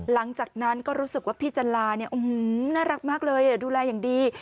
หลังจากนั้นก็รู้สึกว่าพี่จันลาเนี่ยน่ารักมากเลยดูแลอย่างดี